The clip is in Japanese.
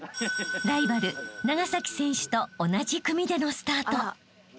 ［ライバル長崎選手と同じ組でのスタート］